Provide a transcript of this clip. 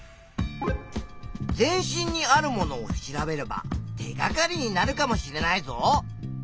全身にあるものを調べれば手がかりになるかもしれないぞ！